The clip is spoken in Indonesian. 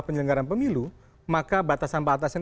penyelenggaran pemilu maka batasan batasan